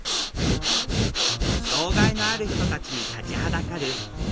障害のある人たちに立ちはだかる家探しのバリア。